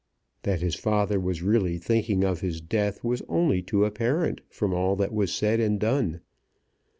That his father was really thinking of his death was only too apparent from all that was said and done.